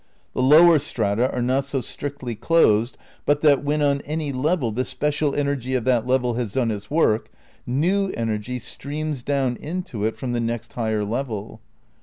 The lower strata are not so strictly closed but that, when on any level the spe cial energy of that level has done its work, new energy streams down into it from the next higher level.